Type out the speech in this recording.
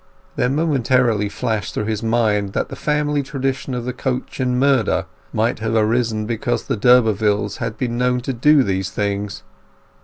There momentarily flashed through his mind that the family tradition of the coach and murder might have arisen because the d'Urbervilles had been known to do these things.